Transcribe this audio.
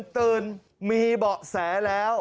ตื่นมีเบาะแสแล้ว